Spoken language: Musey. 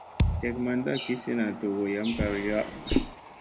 Tlek manda gi sena doogo yam kargiya.